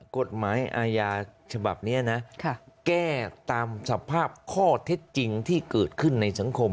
กฎหมายอาญาฉบับนี้นะแก้ตามสภาพข้อเท็จจริงที่เกิดขึ้นในสังคม